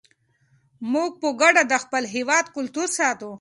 موږ به په ګډه د خپل هېواد کلتور ساتو.